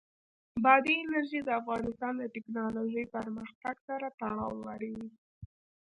بادي انرژي د افغانستان د تکنالوژۍ پرمختګ سره تړاو لري.